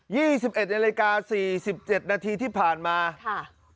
ี่สิบเอ็ดนาฬิกาสี่สิบเจ็ดนาทีที่ผ่านมาค่ะ